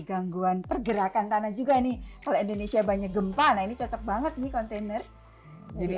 gangguan pergerakan tanah juga nih kalau indonesia banyak gempa nah ini cocok banget nih kontainer jadi